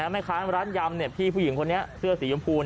แม่ค้าร้านยำพี่ผู้หญิงคนนี้เสื้อสีชมพู